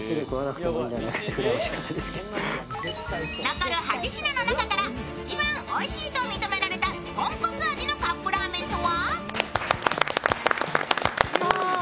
残る８品の中から一番おいしいと認められた豚骨味のカップラーメンとは？